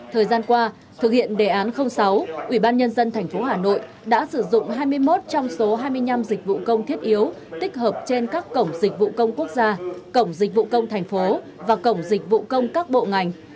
thời gian qua thực hiện đề án sáu ủy ban nhân dân tp hà nội đã sử dụng hai mươi một trong số hai mươi năm dịch vụ công thiết yếu tích hợp trên các cổng dịch vụ công quốc gia cổng dịch vụ công thành phố và cổng dịch vụ công các bộ ngành